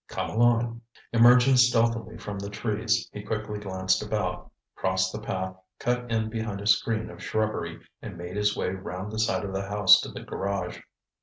"Come along." Emerging stealthily from the trees, he quickly glanced about, crossed the path, cut in behind a screen of shrubbery and made his way round the side of the house to the garage.